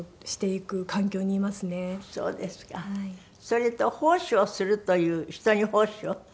それと奉仕をするという人に奉仕を。